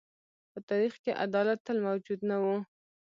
په تاریخ کې عدالت تل موجود نه و.